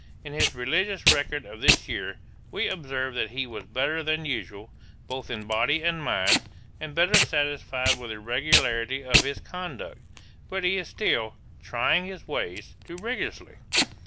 In his religious record of this year, we observe that he was better than usual, both in body and mind, and better satisfied with the regularity of his conduct. But he is still 'trying his ways' too rigorously.